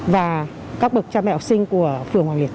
và các bậc cha mẹ học sinh của phường hoàng liệt